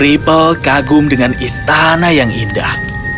ripple kagum dengan istana yang indah